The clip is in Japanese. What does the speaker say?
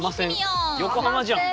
横浜じゃん。